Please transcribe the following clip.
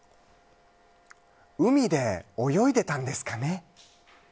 海で泳いでたんですかね？